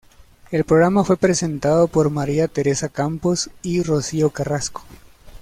El programa fue presentado por María Teresa Campos y Rocío Carrasco.